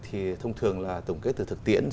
thì thông thường tổng kết từ thực tiễn